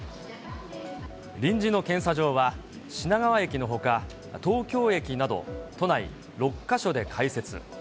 臨時の検査場は、品川駅のほか、東京駅など都内６か所で開設。